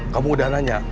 kamu udah nanya